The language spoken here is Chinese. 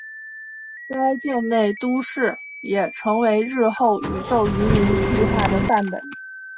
该舰内都市也成为日后宇宙移民计画的范本。